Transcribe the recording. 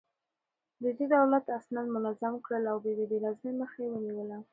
ده د دولت اسناد منظم کړل او د بې نظمۍ مخه يې ونيوله.